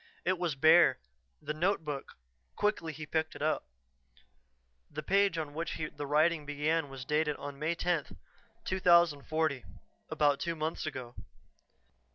It was bare. The notebook quickly he picked it up. The page on which the writing began was dated May 10, 2040. About two months ago.